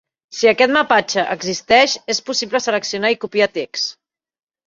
Si aquest mapatge existeix, és possible seleccionar i copiar text.